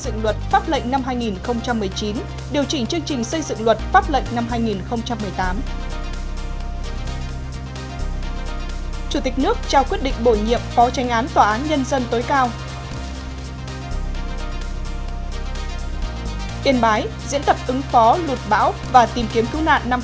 các bạn hãy đăng ký kênh để ủng hộ kênh của chúng mình nhé